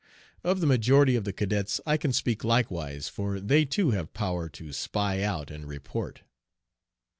Of the majority of the cadets I can speak likewise, for they too have power to spy out and report.